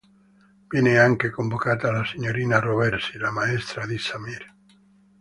Viene anche convocata la signorina Roversi, la maestra di Samir.